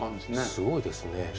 すごいですね。